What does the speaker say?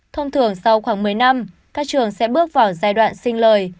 thông thường sau khoảng một mươi năm các trường sẽ bước vào giai đoạn sinh lời